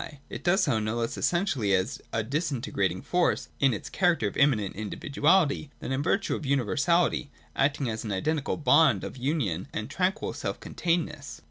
It does so no less essentially as a disintegrating force, in its character of immanent individuality, than in virtue of universality, acting as an identical bond of union and tranquil self containedness.